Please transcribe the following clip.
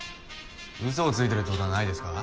嘘をついてるってことはないですか？